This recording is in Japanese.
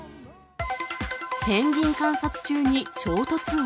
ペンギン観察中に衝突音。